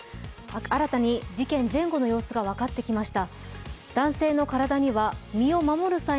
新たに事件前後の様子が分かってきました。